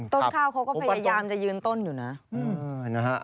ต้นข้าวเขาก็พยายามจะยืนต้นอยู่นะ